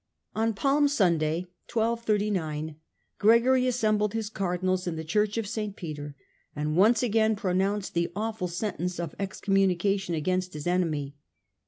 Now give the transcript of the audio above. On Palm Sunday, 1239, Gregory assembled his Cardinals in the Church of St. Peter and once again pronounced the awful sentence of excommunication against his enemy.